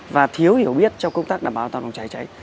và thiếu hiểu biết trong công tác đảm bảo an toàn phòng cháy cháy